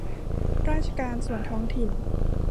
ราชการส่วนท้องถิ่น